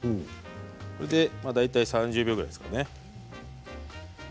大体３０秒ぐらいですかね。